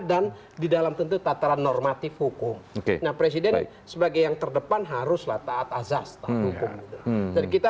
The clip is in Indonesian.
dan di dalam tentu tataran normatif hukum presiden sebagai yang terdepan haruslah taat azaz kita